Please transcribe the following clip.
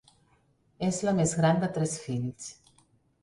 És la més gran de tres fills.